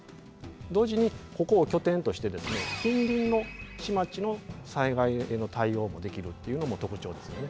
同時にここを拠点として近隣の市町の災害への対応もできるっていうのも特徴ですよね。